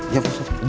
iya pak ustadz